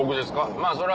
まぁそれは。